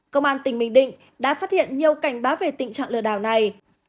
công an tỉnh bình định đã phát hiện nhiều cảnh báo về tình trạng lừa đảo này